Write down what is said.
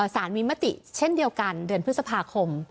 สารมีมติเช่นเดียวกันเดือนพฤษภาคม